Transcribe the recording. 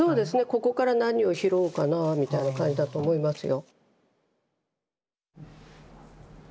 「ここから何を拾うかな」みたいな感じだと思いますよ。